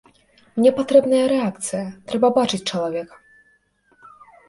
Мне патрэбная рэакцыя, трэба бачыць чалавека.